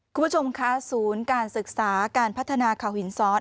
คุณผู้ชมคะศูนย์การศึกษาการพัฒนาเขาหินซ้อน